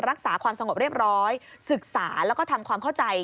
รักษาความสงบเรียบร้อยศึกษาแล้วก็ทำความเข้าใจ